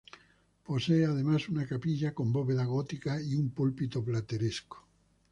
Posee, además, una capilla con bóveda gótica y un púlpito plateresco.